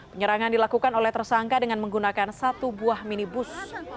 penyerangan dilakukan oleh tersangka dengan menggunakan satu buah minibus